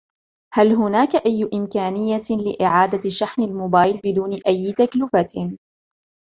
هل هناك أي إمكانية لإعادة شحن الموبايل بدون أي تكلفة؟